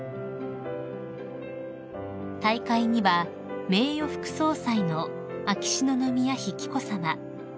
［大会には名誉副総裁の秋篠宮妃紀子さま